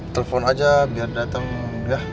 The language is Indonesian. telepon aja biar dateng ya